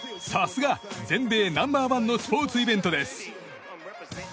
さすが全米ナンバー１のスポーツイベントです！